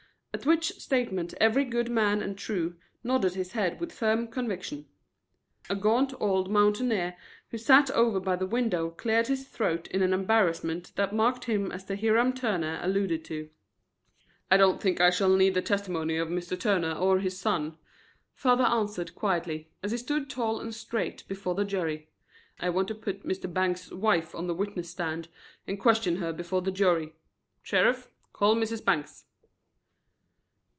At which statement every good man and true nodded his head with firm conviction. A gaunt old mountaineer who sat over by the window cleared his throat in an embarrassment that marked him as the Hiram Turner alluded to. "I don't think I shall need the testimony of Mr. Turner or his son," father answered quietly, as he stood tall and straight before the jury. "I want to put Mr. Bangs' wife on the witness stand and question her before the jury. Sheriff, call Mrs. Bangs."